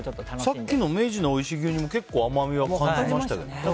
さっきの明治のおいしい牛乳も結構、甘みは感じましたけど。